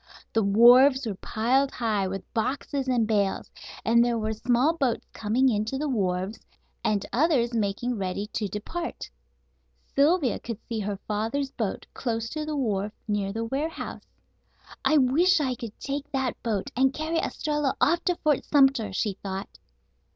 The wharves were piled high with boxes and bales, and there were small boats coming in to the wharves, and others making ready to depart. Sylvia could see her father's boat close to the wharf near the warehouse. "I wish I could take that boat and carry Estralla off to Fort Sumter," she thought.